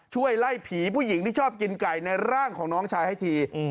ช่วยไล่ผีผู้หญิงที่ชอบกินไก่ในร่างของน้องชายให้ที